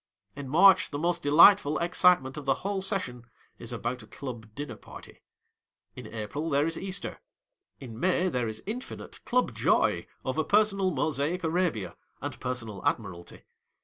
In March, the most delightful excitement of the whole session is about a club dinner party. In April, there is Easter. lu May, there is infinite Club joy over personal Mosaic Arabia, and personal Admiralty.